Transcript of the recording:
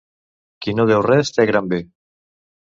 Qui no deu res té gran bé.